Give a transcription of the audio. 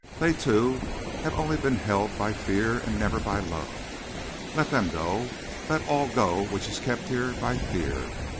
"They, too, have only been held by fear and never by love. Let them go. Let all go which is kept here by fear.